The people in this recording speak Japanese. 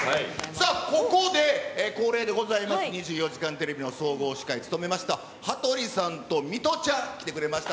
さあ、ここで恒例でございます、２４時間テレビの総合司会を務めました、羽鳥さんと水卜ちゃん、来てくれました。